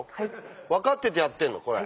分かっててやってんのこれ。